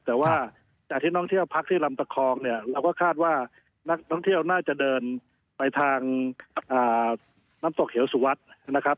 แต่ว่าจากที่ท่องเที่ยวพักที่ลำตะคองเนี่ยเราก็คาดว่านักท่องเที่ยวน่าจะเดินไปทางน้ำตกเหวสุวัสดิ์นะครับ